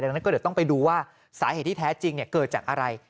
เพราะฉะนั้นต้องไปดูว่าสาเหตุที่แท้จริงเกิดจากอะไร